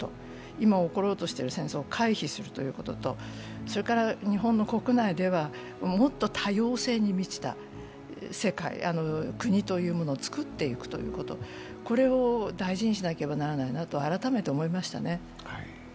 今、起ころうとしている戦争を回避するということと、それから日本の国内ではもっと多様性に満ちた世界、国というものを作っていくということ、これを大事にしなければならないと改めて思いましたね。